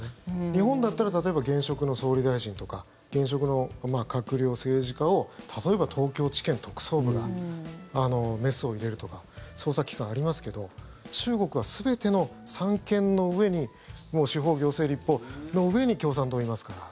日本だったら例えば現職の総理大臣とか現職の閣僚、政治家を例えば、東京地検特捜部がメスを入れるとか捜査機関ありますけど中国は全ての三権の上に司法、行政、立法の上に共産党がいますから。